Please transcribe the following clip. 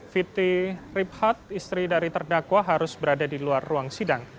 fiti ribhad istri dari terdakwa harus berada di luar ruang sidang